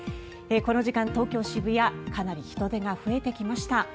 この時間、東京・渋谷かなり人出が増えてきました。